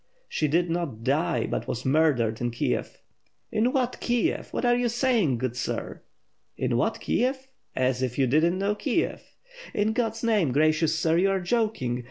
"She did not die, but was murdered in Kiev." "In what Kiev? What are you saying, good sir?" "In what Kiev? As if you did not know Kiev!" "In God's name, gracious sir, you are joking!